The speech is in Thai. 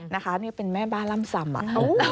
นะคะนี่เป็นแม่บ้านล่ำซำอ่ะ